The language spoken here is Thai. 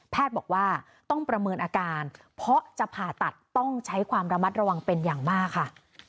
บอกว่าต้องประเมินอาการเพราะจะผ่าตัดต้องใช้ความระมัดระวังเป็นอย่างมากค่ะ